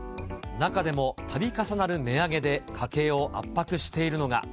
中でも、たび重なる値上げで家計を圧迫しているのが。